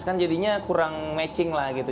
kan jadinya kurang matching lah gitu